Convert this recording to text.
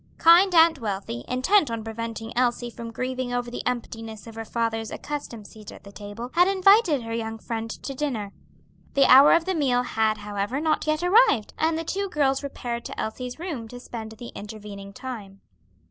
Kind Aunt Wealthy, intent on preventing Elsie from grieving over the emptiness of her father's accustomed seat at the table, had invited her young friend to dinner. The hour of the meal had, however, not yet arrived, and the two girls repaired to Elsie's room to spend the intervening time.